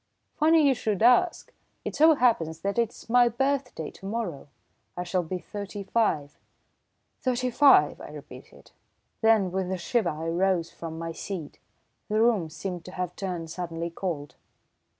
"Funny you should ask! It so happens that it's my birthday to morrow. I shall be thirty five." "Thirty five!" I repeated. Then with a shiver I rose from my seat. The room seemed to have turned suddenly cold.